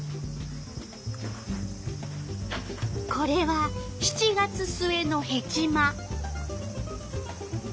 これは７月末のヘチマ。